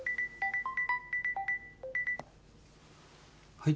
はい。